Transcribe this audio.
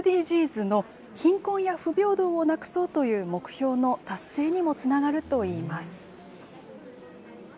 ・ＳＤＧｓの貧困や不平等をなくそうという目標の達成にもつながるといいます。